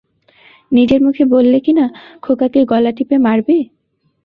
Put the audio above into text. নিজের মুখে বললে কিনা খোকাকে গলা টিপে মারবে?